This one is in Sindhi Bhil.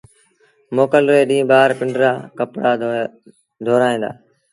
موڪل ري ڏيٚݩهݩ ٻآر پنڊرآ ڪپڙآ ڌورائيٚݩ دآ۔